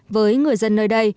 với người dân nơi đây